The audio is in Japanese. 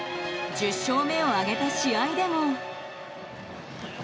１０勝目を挙げた試合でも。